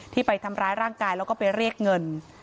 ไปทำร้ายร่างกายแล้วก็ไปเรียกเงิน